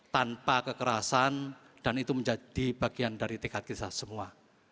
tanpa kekerasan dan itu menjadi bagian dari tekad kita semua